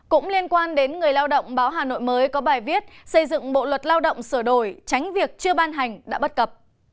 cũng liên quan đến người lao động báo hà nội mới có bài viết xây dựng bộ luật lao động sửa đổi tránh việc chưa ban hành đã bắt cập